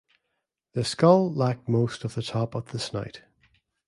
The skull lacked most of the top of the snout.